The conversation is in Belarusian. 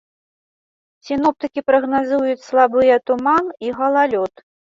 Сіноптыкі прагназуюць слабыя туман і галалёд.